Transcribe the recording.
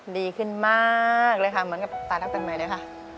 ดีขึ้นมากเลยค่ะเหมือนกับตายนักเป็นใหม่เลยค่ะ